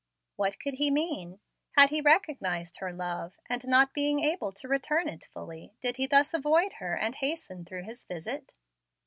What could he mean? Had he recognized her love, and, not being able to return it fully, did he thus avoid her and hasten through his visit?